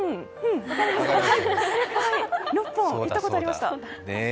６本、行ったことありました。